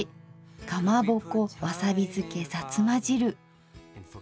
かまぼこわさびづけさつま汁。